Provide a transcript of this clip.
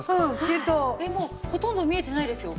えっもうほとんど見えてないですよ。